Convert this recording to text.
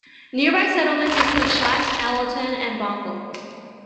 Nearby settlements include Shotts, Allanton and Bonkle.